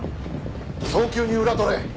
早急に裏取れ！